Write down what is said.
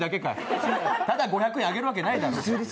ただ５００円あげるわけないだろ。